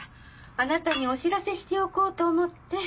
あなたにお知らせしておこうと思って。